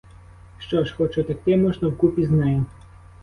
Що ж, хоч утекти можна вкупі з нею.